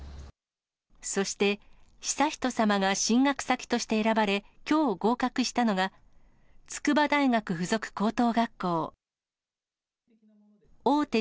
そして、悠仁さまが進学先として選ばれ、きょう合格したのが、、筑波大学附属高等学校。